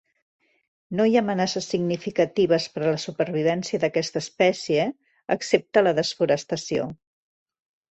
No hi ha amenaces significatives per a la supervivència d'aquesta espècie, excepte la desforestació.